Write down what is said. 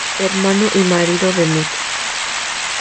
Hermano y marido de Nut.